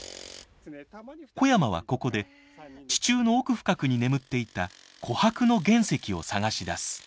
小山はここで地中の奥深くに眠っていた琥珀の原石を探し出す。